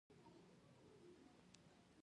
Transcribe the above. خو هېڅوک له دغو اړيکو سره اشنا نه دي.